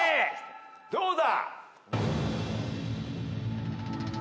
どうだ？